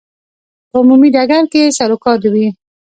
په عمومي ډګر کې یې سروکار وي.